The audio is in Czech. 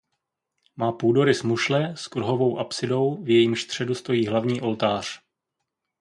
Má půdorys mušle s kruhovou apsidou v jejímž středu stojí hlavní oltář.